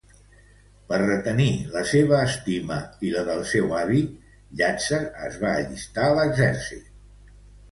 Per retenir la seva estima i la del seu avi, Llàtzer es va allicar a l'exèrcit.